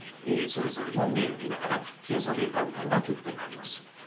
それぞれの例を見ながら、検査データを見ながらっていうことになります。